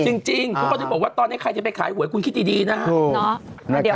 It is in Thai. จริงเขาก็ถึงบอกว่าตอนนี้ใครจะไปขายหวยคุณคิดดีนะฮะ